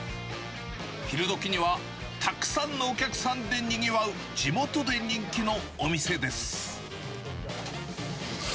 昼どきにはたくさんのお客さんでにぎわう、地元で人気のお店です。